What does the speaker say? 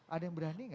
ada yang berani gak